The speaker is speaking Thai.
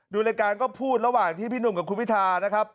ดูรายการก็พูดระหว่างที่พี่หนุ่มกับคุณพิธานะครับ